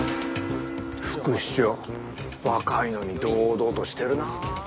副市長若いのに堂々としてるな。